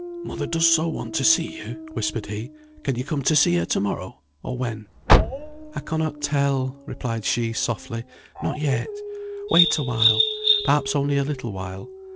"Mother does so want to see you," whispered he. "Can you come to see her to morrow? or when?" "I cannot tell," replied she, softly. "Not yet. Wait awhile; perhaps only a little while.